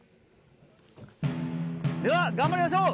では頑張りましょう！